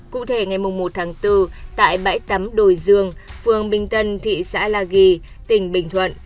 cụ thể ngày một tháng bốn tại bãi tắm đồi dương phường bình tân thị xã la ghi tỉnh bình thuận